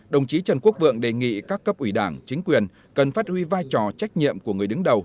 đồng chí trần quốc vượng đề nghị các cấp ủy đảng chính quyền cần phát huy vai trò trách nhiệm của người đứng đầu